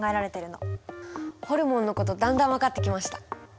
ホルモンのことだんだん分かってきました。